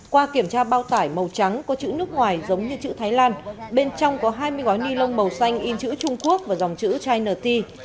qua kiểm tra bao tải màu trắng có chữ nước ngoài giống như chữ thái lan bên trong có hai mươi gói ni lông màu xanh in chữ trung quốc và dòng chữ chin nt